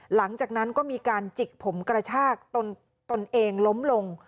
หลังจากนั้นก็มีการจิกผมกระชากตนเองล้มลง